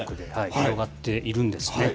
広がっているんですね。